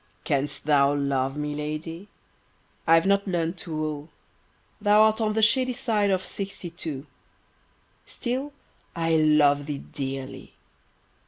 CANST thou love me, lady? I've not learn'd to woo: Thou art on the shady Side of sixty too. Still I love thee dearly!